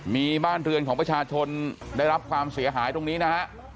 มีบ้านเรือนของประชาชนได้รับความเสียหายตรงนี้นะฮะ